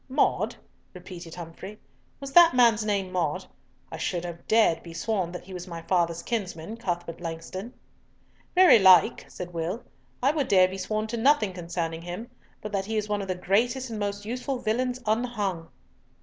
"Maude," repeated Humfrey, "Was that man's name Maude? I should have dared be sworn that he was my father's kinsman, Cuthbert Langston." "Very like," said Will, "I would dare be sworn to nothing concerning him, but that he is one of the greatest and most useful villains unhung."